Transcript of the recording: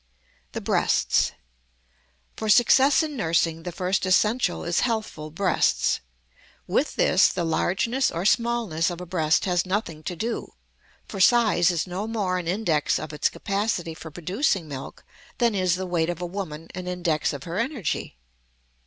THE BREASTS. For success in nursing the first essential is healthful breasts. With this the largeness or smallness of a breast has nothing to do, for size is no more an index of its capacity for producing milk than is the weight of a woman an index of her energy.